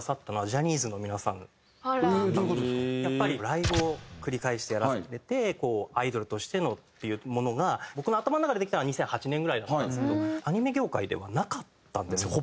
やっぱりライブを繰り返しやられてアイドルとしてのっていうものが僕の頭の中でできたのが２００８年ぐらいだったんですけどアニメ業界ではなかったんですよ